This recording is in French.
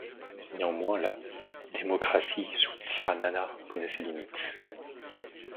Néanmoins la 'démocratie' sous Tsiranana connaît ses limites.